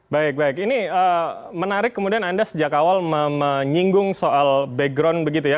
baik baik ini menarik kemudian anda sejak awal menyinggung soal background begitu ya